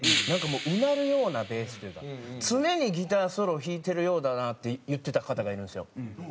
なんかもううなるようなベースというか常にギターソロを弾いてるようだなって言ってた方がいるんですよ。